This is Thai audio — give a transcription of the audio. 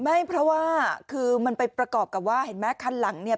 ไม่เพราะว่าคือมันไปประกอบกับว่าเห็นไหมคันหลังเนี่ย